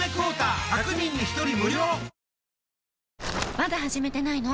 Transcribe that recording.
まだ始めてないの？